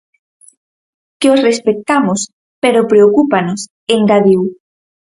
"Que o respectamos, pero preocúpanos", engadiu.